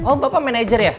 oh bapak manager ya